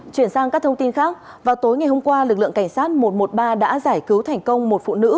chuyển sang các thông tin khác vào tối ngày hôm qua lực lượng cảnh sát một trăm một mươi ba đã giải cứu thành công một phụ nữ